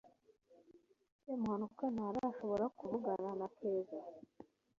semuhanuka ntarashobora kuvugana na keza